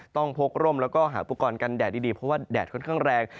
พกร่มแล้วก็หาอุปกรณ์กันแดดดีเพราะว่าแดดค่อนข้างแรง